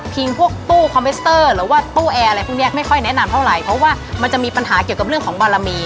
จริงแล้วนี่สิ่งศักดิ์สิทธิ์เนี่ย